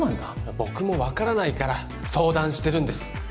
僕も分からないから相談してるんです